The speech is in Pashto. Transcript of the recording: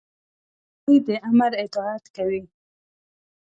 سپي د امر اطاعت کوي.